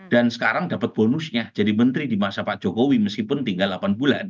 dan sekarang dapat bonusnya jadi menteri di masa pak jokowi meskipun tinggal delapan bulan